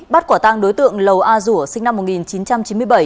bắt quả tăng đối tượng lầu a rủa sinh năm một nghìn chín trăm chín mươi bảy